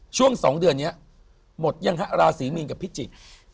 ช่วง๒เดือนนี้หมดยังฮะราศีมีนกับพิจิกษ์